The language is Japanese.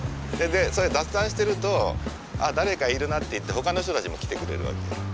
そういう雑談してると誰かいるなっていってほかの人たちも来てくれるわけ。